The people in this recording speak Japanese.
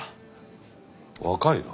若いな。